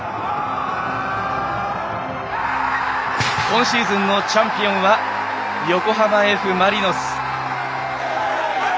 今シーズンのチャンピオンは横浜Ｆ・マリノス。